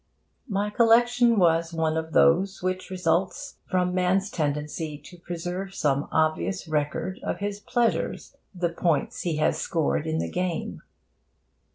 My collection was one of those which result from man's tendency to preserve some obvious record of his pleasures the points he has scored in the game.